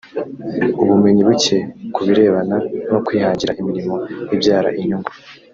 ubumenyi buke ku birebana no kwihangira imirimo ibyara inyungu